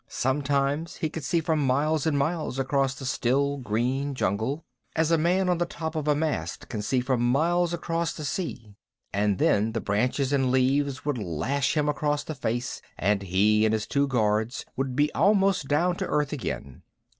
Sometimes he could see for miles and miles across the still green jungle, as a man on the top of a mast can see for miles across the sea, and then the branches and leaves would lash him across the face, and he and his two guards would be almost down to earth again.